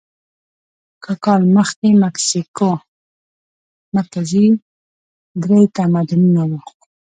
له کال مخکې د مکسیکو مرکزي درې تمدنونه وو.